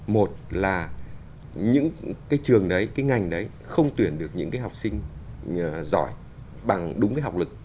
một là những cái trường đấy cái ngành đấy không tuyển được những cái học sinh giỏi bằng đúng cái học lực